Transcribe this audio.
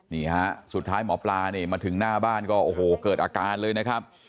นี่ฮะสุดท้ายหมอปลานี่มาถึงหน้าบ้านก็โอ้โหเกิดอาการเลยนะครับ